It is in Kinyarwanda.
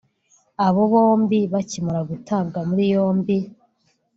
Aba bombi bakimara gutabwa muri yombi